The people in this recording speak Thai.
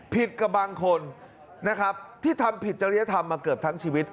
ผิดกับบางคนนะครับที่ทำผิดจริยธรรมมาเกือบทั้งชีวิต